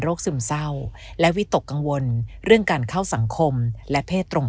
ซึมเศร้าและวิตกกังวลเรื่องการเข้าสังคมและเพศตรง